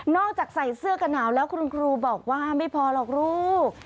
จากใส่เสื้อกระหนาวแล้วคุณครูบอกว่าไม่พอหรอกลูก